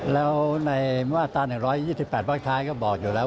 แล้วในมาตรา๑๒๘วักท้ายก็บอกอยู่แล้ว